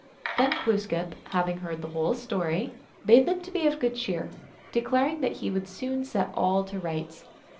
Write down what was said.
Then Glooskap, having heard the whole story, bade them be of good cheer, declaring that he would soon set all to rights.